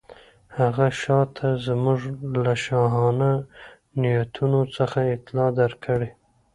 هغه تاته زموږ له شاهانه نیتونو څخه اطلاع درکړې.